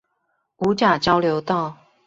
五甲交流道